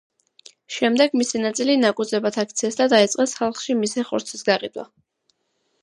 შემდეგ მისი ნაწილი ნაკუწებად აქციეს და დაიწყეს ხალხში მისი ხორცის გაყიდვა.